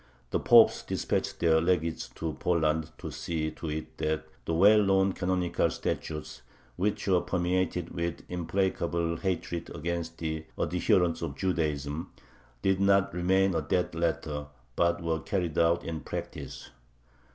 The popes dispatched their legates to Poland to see to it that the well known canonical statutes, which were permeated with implacable hatred against the adherents of Judaism, did not remain a dead letter, but were carried out in practice.